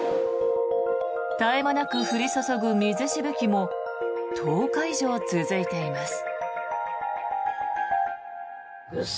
絶え間なく降り注ぐ水しぶきも１０日以上続いています。